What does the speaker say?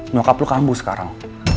nyokap lo kambuh sekarang